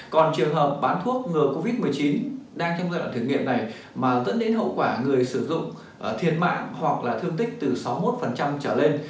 còn trường hợp bán thuốc ngừa covid một mươi chín đang trong giai đoạn thử nghiệm này mà dẫn đến hậu quả người sử dụng thiệt mạng hoặc là thương tích từ sáu mươi một trở lên